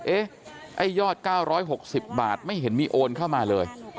ไอ้ยอด๙๖๐บาทไม่เห็นมีโอนเข้ามาเลย